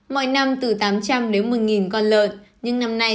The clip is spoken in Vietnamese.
mọi năm từ tám trăm linh đến một mươi con lợn